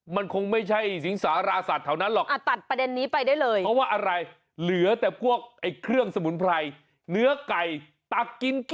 มันคงไม่ใช่สิงสาราสัตว์แถวนั้นหรอก